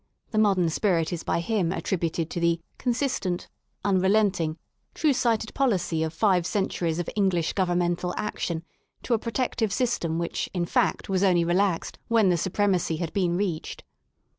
The modern spirit is by him attributed to the " consistent j unrelentingf* true sighted policy of five centuries of Eng'Hsh Governmental action to a protective system which J in fact, was only relaxed when the supremacy hati been reached."